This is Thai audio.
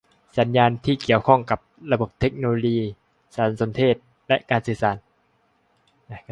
สัญญาที่เกี่ยวข้องกับระบบเทคโนโลยีสารสนเทศและการสื่อสาร